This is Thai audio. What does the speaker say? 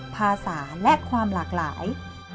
ภาษาและความหลากหลาย